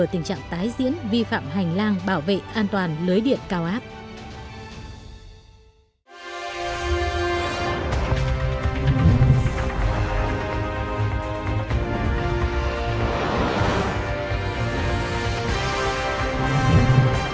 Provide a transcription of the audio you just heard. tình trạng vi phạm hành lang bảo vệ an toàn của hệ thống điện